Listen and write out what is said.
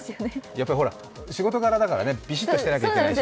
やっぱり仕事柄ですからビシッとしてなきゃいけないから。